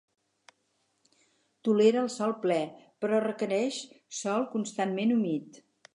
Tolera el sol ple, però requereix sòl constantment humit.